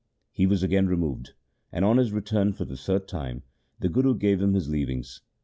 He was again re moved, and on his return for the third time the Guru gave him his leavings.